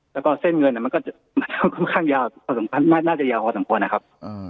แล้วก็เส้นเงินมันก็จะค่อนข้างยาวพอสมควรน่าจะยาวพอสมควรนะครับ